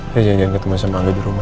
saya janjian ketemu sama angga di rumah